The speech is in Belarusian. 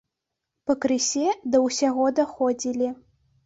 Пакрысе да ўсяго даходзілі.